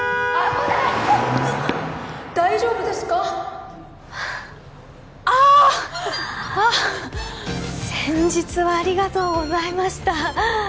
大丈夫ですか？あーっ先日はありがとうございました